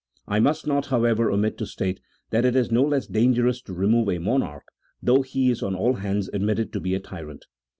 I must not, however, omit to state that it is no less dangerous to remove a monarch, though he is on all hands admitted to be a tyrant.